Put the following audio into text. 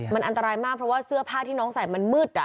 มันอันตรายมากเพราะว่าเสื้อผ้าที่น้องใส่มันมืด